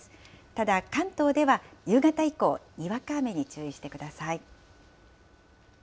ただ、関東では夕方以降、にわか雨に注意してください。